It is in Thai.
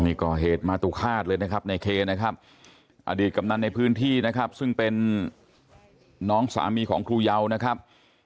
นี่ก่อเหตุมาตุฆาตเลยนะครับในเคนะครับอดีตกำนันในพื้นที่นะครับซึ่งเป็นน้องสามีของครูเยานะครับ